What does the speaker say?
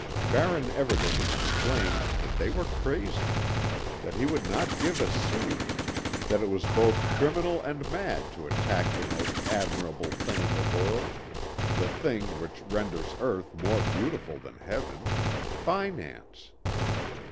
Baron Everdingen exclaimed that they were crazy, that he would not give a sou, that it was both criminal and mad to attack the most admirable thing in the world, the thing which renders earth more beautiful than heaven Finance.